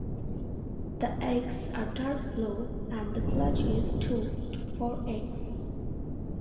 The eggs are dark blue and the clutch is two to four eggs.